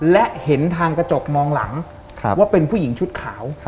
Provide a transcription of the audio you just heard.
และเห็นทางกระจกมองหลังว่าเป็นผู้หญิงชุดขาว